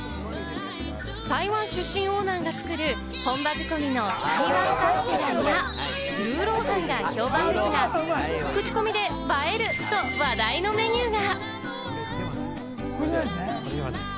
台湾出身オーナーが作る本場仕込みの台湾カステラや、ルーロー飯が評判ですが、クチコミで映える！と話題のメニューが。